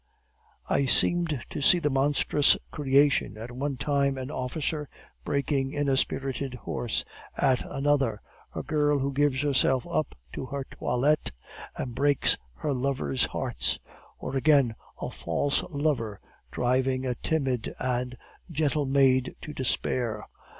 "I seemed to see that monstrous creation, at one time an officer, breaking in a spirited horse; at another, a girl, who gives herself up to her toilette and breaks her lovers' hearts; or again, a false lover driving a timid and gentle maid to despair.